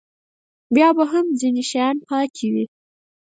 بیا به هم ځینې شیان پاتې وي.